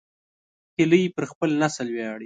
هیلۍ پر خپل نسل ویاړي